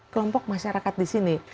kelompok masyarakat di sini